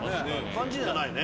感じじゃないね。